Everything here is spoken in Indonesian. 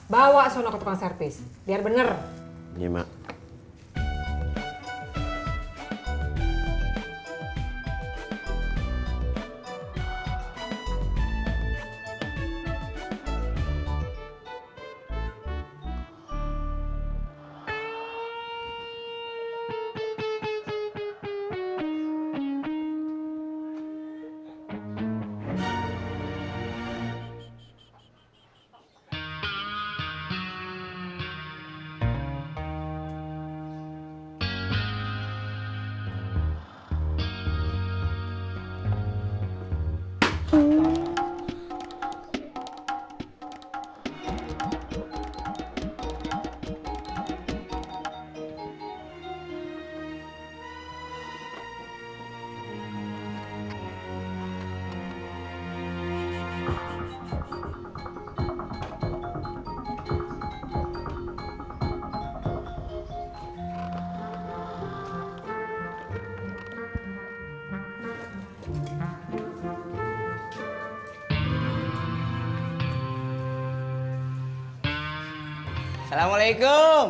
bawa sonok ke tukang servis